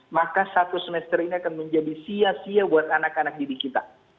maka satu semester ini akan menjadi sia sia buat anak anak didik kita